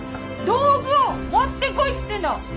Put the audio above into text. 道具を持ってこいっつってんの！